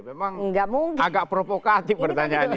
memang agak provokatif pertanyaan ini